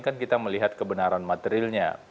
kan kita melihat kebenaran materialnya